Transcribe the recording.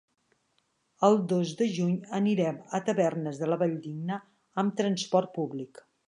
El dos de juny anirem a Tavernes de la Valldigna amb transport públic.